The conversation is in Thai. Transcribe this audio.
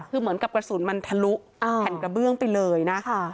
คือเหมือนกับกระสุนมันทะลุแผ่นกระเบื้องไปเลยนะ